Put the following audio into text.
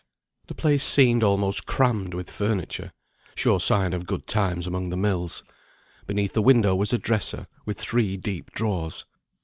The place seemed almost crammed with furniture (sure sign of good times among the mills). Beneath the window was a dresser with three deep drawers.